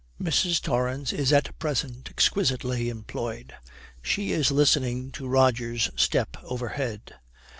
Mrs. Torrance is at present exquisitely employed; she is listening to Roger's step overhead.